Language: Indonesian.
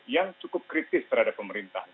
yang cukup kritis terhadap pemerintahan